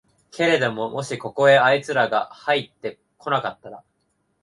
けれどももしここへあいつらがはいって来なかったら、